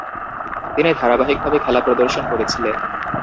তিনি ধারাবাহিকভাবে খেলা প্রদর্শন করেছিলেন।